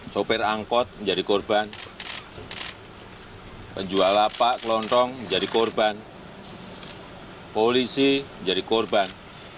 sopir angkot menjadi korban penjual lapak kelontong menjadi korban polisi menjadi korban